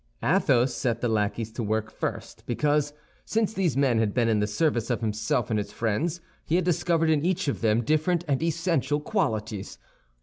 Athos set the lackeys to work first because, since these men had been in the service of himself and his friends he had discovered in each of them different and essential qualities.